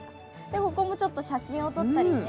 ここもちょっと写真を撮ったりね。